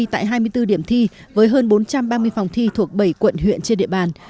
tại hai mươi bốn điểm thi với hơn bốn trăm ba mươi phòng thi thuộc bảy quận huyện trên địa bàn